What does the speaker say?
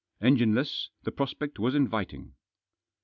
Engineless, the prospect was inviting.